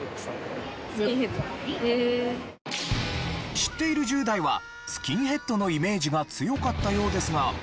知っている１０代はスキンヘッドのイメージが強かったようですが。